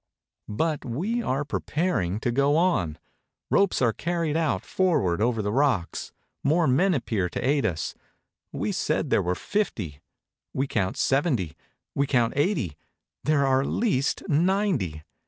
But we are preparing to go on. Ropes are carried out forward over the rocks. More men appear, to aid us. We said there were fifty. We count seventy; we count eighty; there are at least ninety.